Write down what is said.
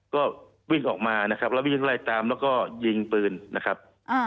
ก็วิ่งออกมานะครับแล้ววิ่งไล่ตามแล้วก็ยิงปืนนะครับ